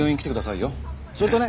それとね